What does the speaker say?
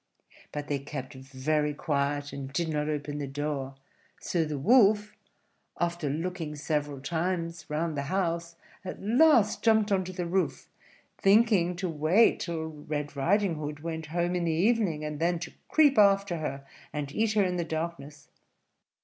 But they kept quite quiet, and did not open the door; so the Wolf, after looking several times round the house, at last jumped on to the roof, thinking to wait till Red Riding Hood went home in the evening, and then to creep after her and eat her in the darkness.